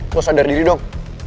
lo sadar diri dong